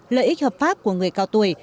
lợi ích hợp pháp của người cao tuổi